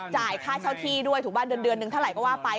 จ่ายค่าเช่าที่ด้วยถูกป่ะเดือนหนึ่งเท่าไหร่ก็ว่าไป